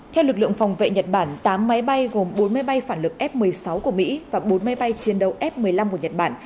theo lực lượng phòng vệ nhật bản tám máy bay gồm bốn máy bay phản lực f một mươi sáu của mỹ và bốn máy bay chiến đấu f một mươi năm của nhật bản